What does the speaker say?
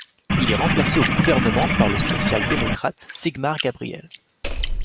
Il est remplacé au gouvernement le par le social-démocrate Sigmar Gabriel.